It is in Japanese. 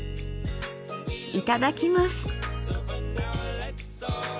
いただきます。